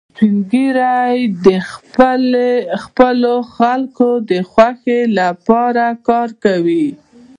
سپین ږیری د خپلو خلکو د خوښۍ لپاره کار کوي